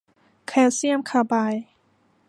แคลเซียมคาร์ไบด์